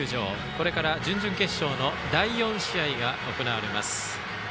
これから準々決勝の第４試合が行われます。